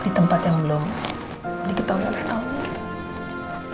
di tempat yang belum diketahui oleh kamu